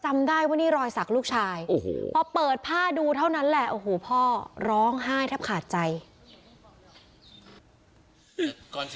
จำได้ว่านี่รอยสักลูกชายโอ้โหพอเปิดผ้าดูเท่านั้นแหละโอ้โหพ่อร้องไห้แทบขาดใจ